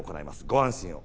ご安心を。